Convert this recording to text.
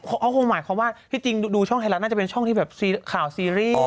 เขาคงหมายความว่าที่จริงดูช่องไทยรัฐน่าจะเป็นช่องที่แบบข่าวซีรีส์